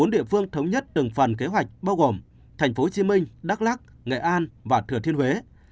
bốn địa phương thống nhất từng phần kế hoạch bao gồm tp hcm đắk lắc nghệ an và thừa thiên huế